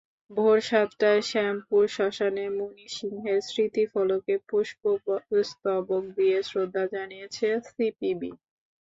ভোর সাতটায় শ্যামপুর শ্মশানে মণি সিংহের স্মৃতিফলকে পুষ্পস্তবক দিয়ে শ্রদ্ধা জানিয়েছে সিপিবি।